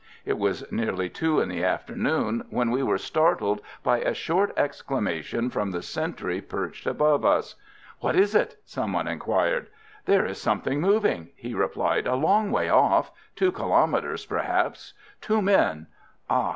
It was nearly two in the afternoon when we were startled by a short exclamation from the sentry perched above us. "What is it?" somebody enquired. "There is something moving," he replied, "a long way off two kilomètres, perhaps two men Ah!